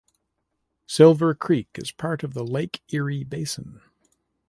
Silver Creek is part of the Lake Erie Basin.